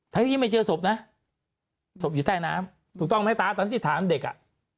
ทั้งที่ไม่เจอศพนะศพอยู่ใต้น้ำถูกต้องไหมตาตอนที่ถามเด็กอ่ะ